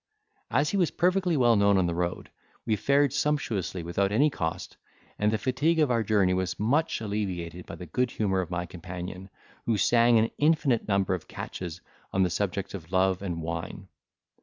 As he was perfectly well known on the road, we fared sumptuously without any cost, and the fatigue of our journey was much alleviated by the good humour of my companion, who sang an infinite number of catches on the subjects of love and wine.